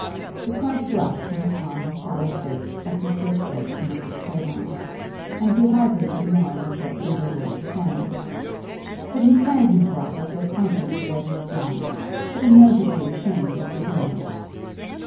A slight blush came upon his sallow face as he first spoke to Mrs. Clavering, and he hardly did more than say a single word to Fanny. But he carried himself as though conscious of what he had done, but in no degree ashamed of the doing it.